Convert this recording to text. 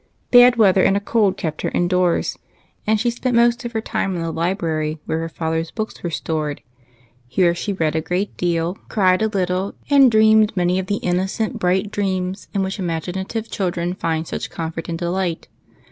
Bad weather and a cold kept her in doors, and she spent most of her time in the library where her father's books were stored. Here she read a great deal, cried TWO GIRLS. ' 3 a little, and dreamed many of the innocent bright dreams in which imaginative children find such com fort and delight.